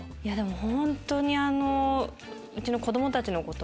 本当にうちの子供たちのことも。